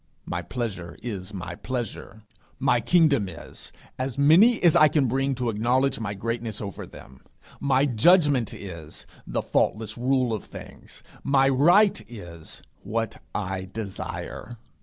My pleasure is my pleasure. My kingdom is as many as I can bring to acknowledge my greatness over them. My judgment is the faultless rule of things. My right is what I desire.